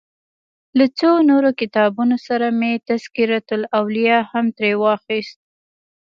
له څو نورو کتابونو سره مې تذکرة الاولیا هم ترې واخیست.